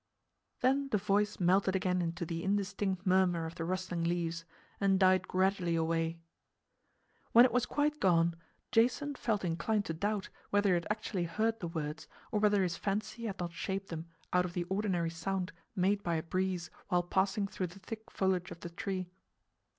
Then the voice melted again into the indistinct murmur of the rustling leaves and died gradually away. When it was quite gone Jason felt inclined to doubt whether he had actually heard the words or whether his fancy had not shaped them out of the ordinary sound made by a breeze while passing through the thick foliage of the tree.